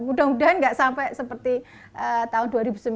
mudah mudahan nggak sampai seperti tahun dua ribu sembilan belas